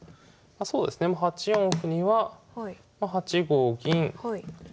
そうですね８四歩には８五銀同飛車